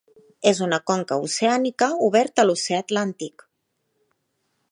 És una conca oceànica oberta a l'oceà Atlàntic.